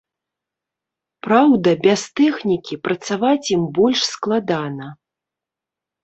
Праўда, без тэхнікі працаваць ім больш складана.